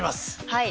はい。